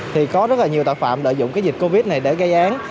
thì có rất là nhiều tội phạm lợi dụng cái dịch covid này để gây án